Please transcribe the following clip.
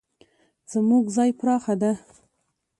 زموږ ځای پراخه ده